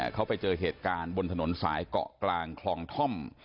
เขาไปเจอเหตุการณ์บนถนนสายเกาะกลางคลองท่อม